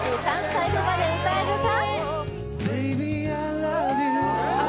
最後まで歌えるか？